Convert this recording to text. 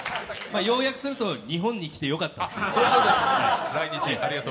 要約すると、日本に来てよかったと。